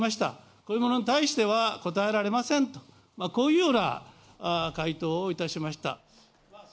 こういうものに対しては答えられませんと、こういうような回答をいたしました。